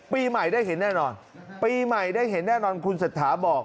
ปีใหม่ได้เห็นแน่นอนปีใหม่ได้เห็นแน่นอนคุณเศรษฐาบอก